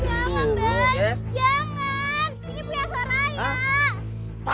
jangan bang jangan ini punya soraya